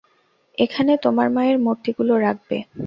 এখানে, তোমার মায়ের মূর্তিগুলো রাখবে।